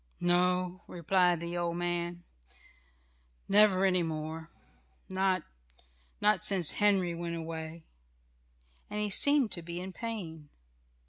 "No," replied the old man. "Never any more. Not not since Henry went away," and he seemed to be in pain.